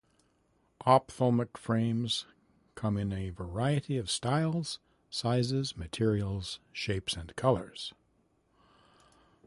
Ophthalmic frames come in a variety of styles, sizes, materials, shapes, and colors.